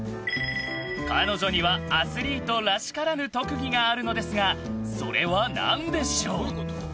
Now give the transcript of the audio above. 彼女にはアスリートらしからぬ特技があるのですがそれは何でしょう？